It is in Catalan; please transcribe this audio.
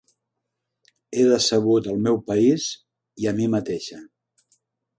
He decebut el meu país i a mi mateixa.